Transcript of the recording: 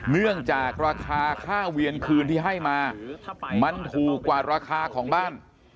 เนื่องจากราคาค่าเวียนคืนที่ให้มามันถูกกว่าราคาของบ้าน